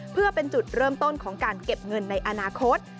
เพื่อเป็นจุดเริ่มต้นของการเก็บเงินในอนาคต